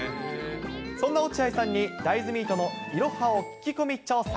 そんな落合さんに、大豆ミートのいろはを聞き込み調査。